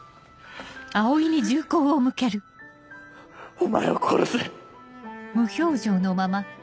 お前を殺す。